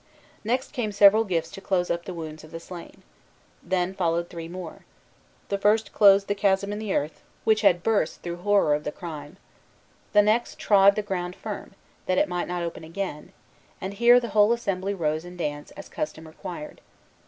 Next came several gifts to close up the wounds of the slain. Then followed three more. The first closed the chasm in the earth, which had burst through horror of the crime. The next trod the ground firm, that it might not open again; and here the whole assembly rose and danced, as custom required.